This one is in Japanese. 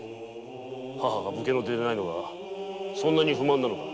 母が武家の出でないのがそんなに不満なのか？